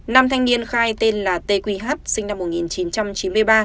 năm thanh niên khai tên là t q h sinh năm một nghìn chín trăm chín mươi ba